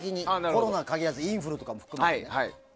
コロナに限らずインフルとかも含めてね。